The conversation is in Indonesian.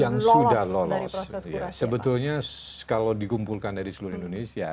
yang sudah lolos sebetulnya kalau dikumpulkan dari seluruh indonesia